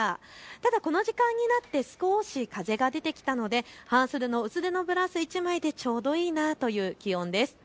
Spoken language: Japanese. ただこの時間になって少し風が出てきたので半袖の薄手のブラウス１枚でちょうどいいなという気温です。